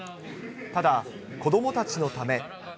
ただ、子どもたちのため。